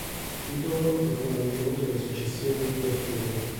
Titolo che fu mantenuto dai successori di Gualtiero.